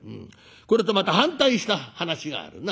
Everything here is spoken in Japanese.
これとまた反対した話があるな。